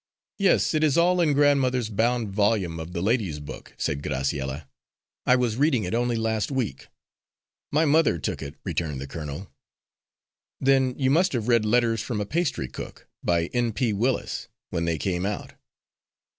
"Yes, it is all in grandmother's bound volume of The Ladies' Book," said Graciella. "I was reading it only last week." "My mother took it," returned the colonel. "Then you must have read 'Letters from a Pastry Cook,' by N.P. Willis when they came out?"